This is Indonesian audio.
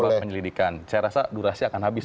dicek dalam penyelidikan saya rasa durasi akan habis